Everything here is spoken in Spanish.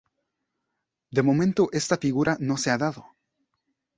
De momento esta figura no se ha dado.